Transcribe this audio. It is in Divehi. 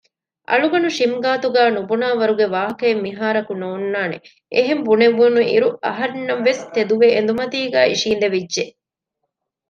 އަޅުގަނޑު ޝިމް ގާތުގައި ނުުބުނާވަރުގެ ވާހަކައެއް މިހާރަކު ނޯންނާނެ އެހެން ބުނެވުނުއިރު އަހަންނަށްވެސް ތެދުވެ އެނދުމަތީގައި އިށީނދެވިއްޖެ